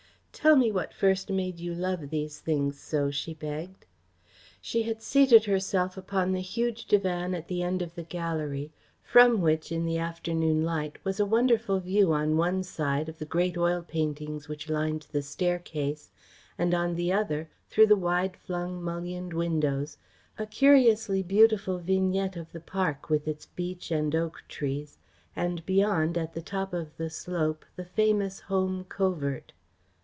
"Tell me what first made you love these things so," she begged. She had seated herself upon the huge divan at the end of the gallery from which, in the afternoon light, was a wonderful view on one side of the great oil paintings which lined the staircase, and on the other, through the wide flung mullioned windows, a curiously beautiful vignette of the park with its beech and oak trees, and beyond, at the top of the slope, the famous home covert.